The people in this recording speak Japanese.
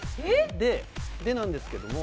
で、なんですけども。